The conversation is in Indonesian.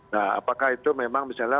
nah apakah itu memang misalnya